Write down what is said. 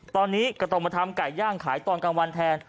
ตอนนี้ก็ต้องมาทำไก่ย่างขายตอนกลางวันแทน